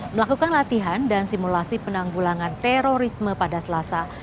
melakukan latihan dan simulasi penanggulangan terorisme pada selasa